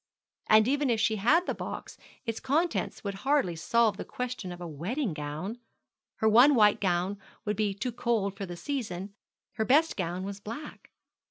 And even if she had the box its contents would hardly solve the question of a wedding gown. Her one white gown would be too cold for the season; her best gown was black.